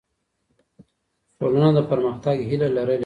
ټولنه د پرمختګ هیله لرلې ده.